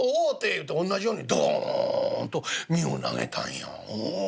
言うておんなじようにドボンと身を投げたんや。